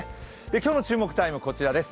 今日の注目タイムはこちらです。